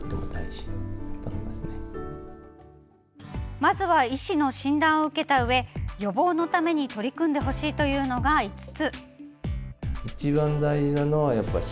まずは医師の診断を受けたうえ予防のために取り組んでほしいというのが５つ。